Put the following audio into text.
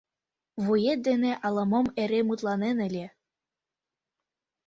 — Вует дене ала-мом эре мутланет ыле...